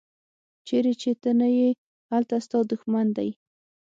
چیرې چې ته نه یې هلته ستا دوښمن دی.